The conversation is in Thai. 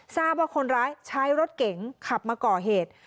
ทราบว่าคนร้ายใช้รถเก๋งขับมาก่อเหตุ